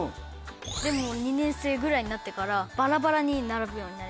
でも２年生ぐらいになってからバラバラに並ぶようになりました。